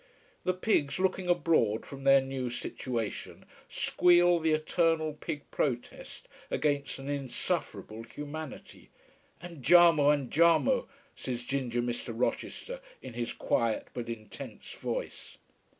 The pigs, looking abroad from their new situation, squeal the eternal pig protest against an insufferable humanity. "Andiamo! Andiamo!" says ginger Mr. Rochester in his quiet but intense voice.